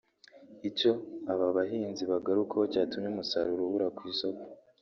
Icyo aba bahinzi bagarukagaho cyatumye umusaruro ubura ku isoko